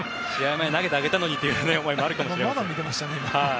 前、投げてあげたのにという思いもあるかもしれません。